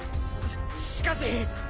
ししかし。